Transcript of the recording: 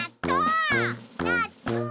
なっとう！